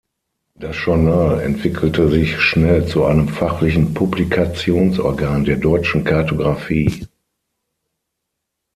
Das Journal entwickelte sich schnell zu einem fachlichen Publikationsorgan der deutschen Kartografie.